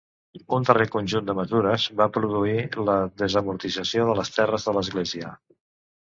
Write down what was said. Un darrer conjunt de mesures va produir la desamortització de les terres de l'Església.